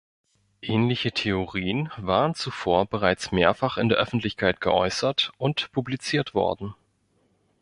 Ähnliche Theorien waren zuvor bereits mehrfach in der Öffentlichkeit geäußert und publiziert worden.